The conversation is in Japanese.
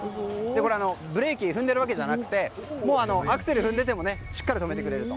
ブレーキを踏んでるわけじゃなくてアクセルを踏んでいてもしっかり止めてくれると。